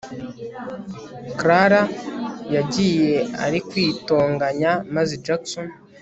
Clara yagiye ari kwitonganya maze Jackson